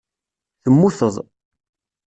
Temmuteḍ.